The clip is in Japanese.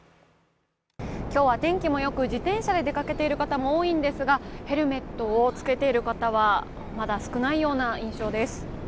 今日は天気もよく、自転車で出かけている方も多いんですが、ヘルメットを着けている方はまだ少ないような印象です。